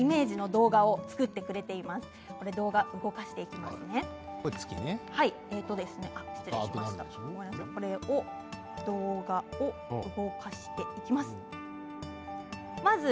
動画を動かしていきます。